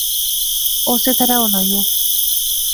او اسے طرح ہونا یو